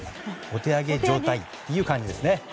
お手上げ状態という感じですね。